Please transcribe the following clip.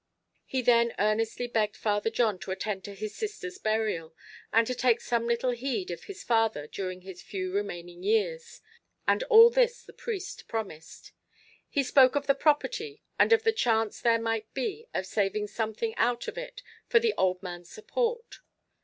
He then earnestly begged Father John to attend to his sister's burial, and to take some little heed of his father during his few remaining years; and all this the priest promised. He spoke of the property, and of the chance there might be of saving something out of it for the old man's support.